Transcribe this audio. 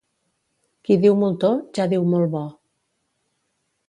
Qui diu moltó ja diu molt bo.